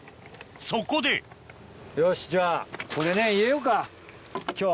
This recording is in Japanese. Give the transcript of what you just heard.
そこでよしじゃあこれね入れようか今日もう。